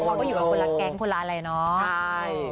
เขาก็อยู่กันคนละแก๊งคนละอะไรเนาะ